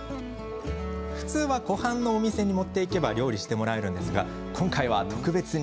普通は湖畔のお店に持って行けば料理してもらえるのですが今回は特別に。